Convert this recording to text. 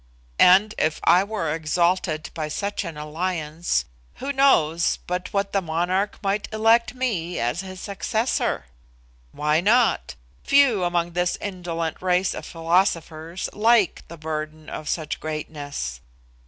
And if I were exalted by such an alliance, who knows but what the Monarch might elect me as his successor? Why not? Few among this indolent race of philosophers like the burden of such greatness.